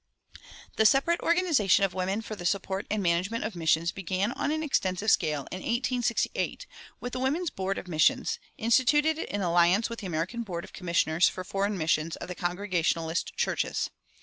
The separate organization of women for the support and management of missions began on an extensive scale, in 1868, with the Women's Board of Missions, instituted in alliance with the American Board of Commissioners for Foreign Missions of the Congregationalist churches.